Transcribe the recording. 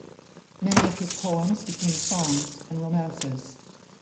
Many of his poems became songs and romances.